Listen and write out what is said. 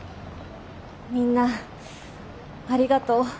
みんなありがとう。